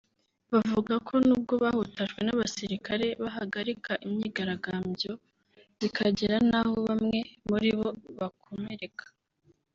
Bavuga ko nubwo bahutajwe n’abasirikare bahagarikaga imyigaragambyo bikagera naho bamwe muri bo bakomereka